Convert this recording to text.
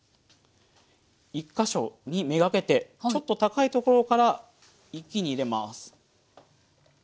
一か所にめがけてちょっと高いところから一気に入れます。